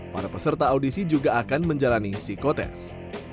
para peserta audisi juga akan menjalani psikotest